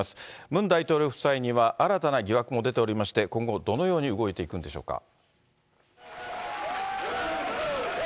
ムン大統領夫妻には新たな疑惑も出ておりまして、今後どのように動いていくんでしょうか。